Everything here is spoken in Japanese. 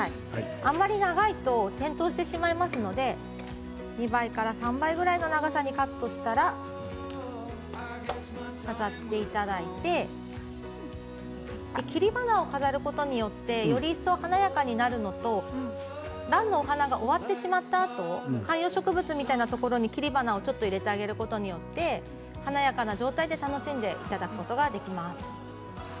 あまり長いと転倒してしまいますので２倍から３倍ぐらいの長さにカットしたら飾っていただいて切り花を飾ることによってより一層、華やかになるのとランのお花が終わってしまったあと観葉植物みたいなところに切り花をちょっと入れてあげることによって華やかな状態で楽しんでいただくことができます。